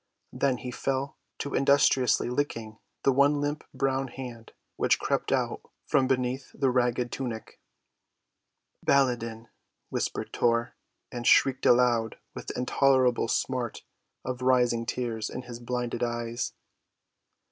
Then he fell to industriously licking the one limp brown hand which crept out from beneath the ragged tunic. "Baladan," whispered Tor, and shrieked aloud with the intolerable smart of rising tears in his blinded eyes.